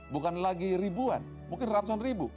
bukan lagi ribuan mungkin ratusan ribu